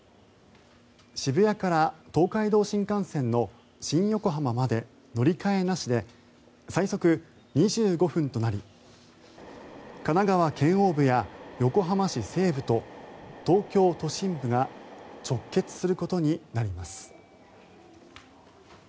渋谷から東海道新幹線の新横浜まで乗り換えなしで最速２５分となり神奈川県央部や横浜市西部と東京都心部が直結することになります。